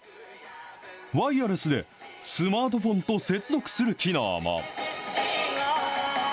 ワイヤレスでスマートフォンと接続する機能も。